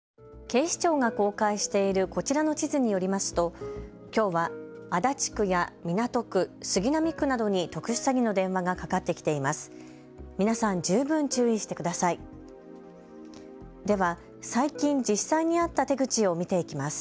警視庁が公開しているこちらの地図によりますときょうは足立区や港区、杉並区などに特殊詐欺の電話がかかってきています。